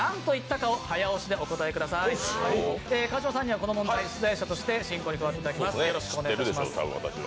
川島さんには、この問題の出題者として進行に加わっていただきます。